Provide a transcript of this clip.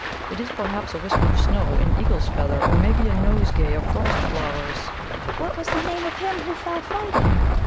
"It is, perhaps, a wisp of snow, an eagle's feather, or maybe a nosegay of frost flowers." "What was the name of him who fell fighting?"